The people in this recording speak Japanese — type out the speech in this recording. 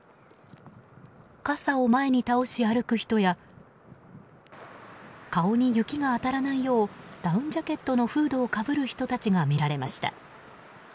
傘を前に倒し歩く人や顔に雪が当たらないようダウンジャケットのフードをかぶる人たちが見られました。